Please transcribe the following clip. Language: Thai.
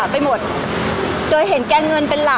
พี่ตอบได้แค่นี้จริงค่ะ